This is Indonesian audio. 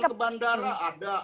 ke bandara ada